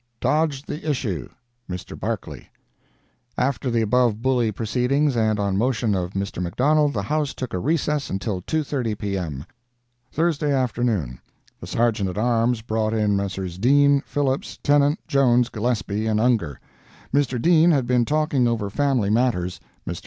DODGED THE ISSUE—Mr. Barclay. After the above bully proceedings, and on motion of Mr. McDonald, the House took a recess until 2:30 P.M. Thursday Afternoon The Sergeant at Arms brought in Messrs. Dean, Phillips, Tennant, Jones, Gillespie and Ungar. Mr. Dean had been talking over family matters. Mr.